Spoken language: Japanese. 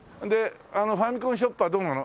ファミコンショップはどうなの？